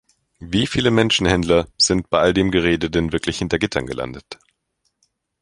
Wie viele Menschenhändler sind bei all dem Gerede denn wirklich hinter Gittern gelandet?